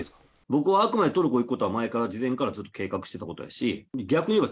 僕はあくまでトルコに行くことは事前からずっと計画してたことやし、逆に言えば、